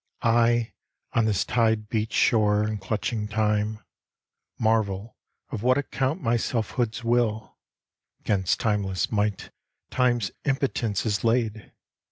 I on this tide beat shore, and clutching time, Marvel of what account my selfhood's will, 'Gainst timeless might time's impotence is laid!